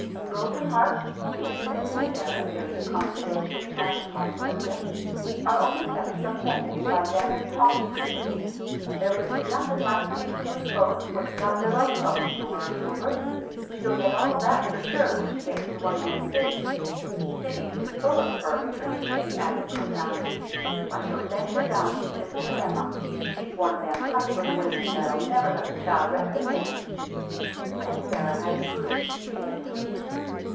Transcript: "Broken hearts," she had said to Sarah, during a confidential chat upon the subject, "are only kept from mending by them as talks sympathy. There isn't nothin' like mixing with folks what's got their own troubles to worrit over. She'll get all that for sure when she gets to one o' them cities. Cities is full of purgat'ry," she added profoundly. "I shall send her down to sister Emma, she's one o' them hustlin' women that'll never let the child rest a minute." And Sarah had approved feelingly.